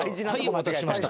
お待たせしました。